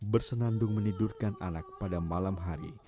bersenandung menidurkan anak pada malam hari